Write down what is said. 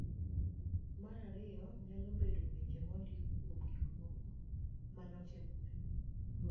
ma ariyo .nyalo bed weche mondiki kuom gikmoko mane otimore.